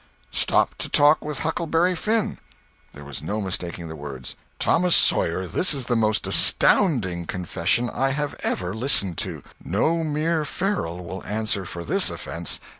"Stopped to talk with Huckleberry Finn." There was no mistaking the words. "Thomas Sawyer, this is the most astounding confession I have ever listened to. No mere ferule will answer for this offence.